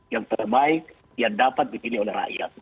yang terbaik yang dapat dipilih oleh rakyat